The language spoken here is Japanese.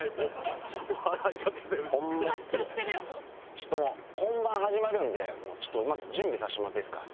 ちょっともう本番始まるんでちょっとまず準備させてもらっていいですか？